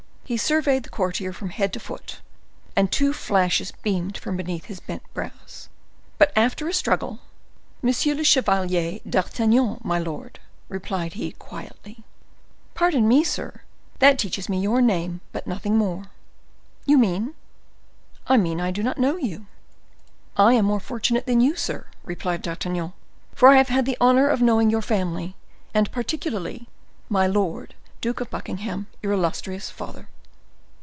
He surveyed the courtier from head to foot, and two flashes beamed from beneath his bent brows. But, after a struggle,—"Monsieur le Chevalier d'Artagnan, my lord," replied he, quietly. "Pardon me, sir, that teaches me your name, but nothing more." "You mean—" "I mean I do not know you." "I am more fortunate than you, sir," replied D'Artagnan, "for I have had the honor of knowing your family, and particularly my lord Duke of Buckingham, your illustrious father."